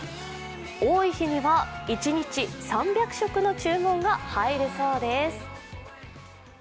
多い日には一日３００食の注文が入るそうです。